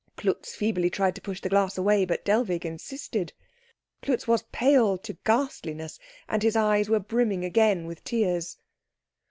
Klutz feebly tried to push the glass away, but Dellwig insisted. Klutz was pale to ghastliness, and his eyes were brimming again with tears.